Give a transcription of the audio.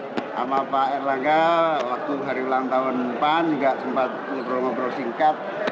sama pak erlangga waktu hari ulang tahun pan tidak sempat berobrol obrol singkat